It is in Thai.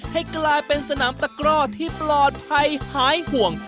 ให้กลายเป็นสนามตะกร่อที่ปลอดภัยหายห่วง